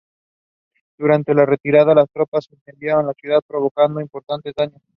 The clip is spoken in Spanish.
Durante la retirada, las tropas incendiaron la ciudad, provocando importantes daños.